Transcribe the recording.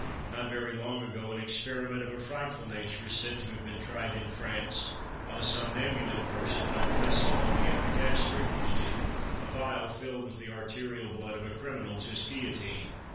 Not very long ago, an experiment of a frightful nature is said to have been tried in France on a somnambulic person, by placing on the epigastric region a vial filled with the arterial blood of a criminal just guillotined.